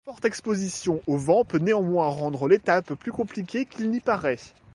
La forte exposition au vent peut néanmoins rendre l'étape plus compliquée qu'il n'y parait.